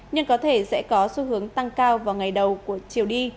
nhưng có thể sẽ có xu hướng tăng cao vào ngày đầu của chiều đi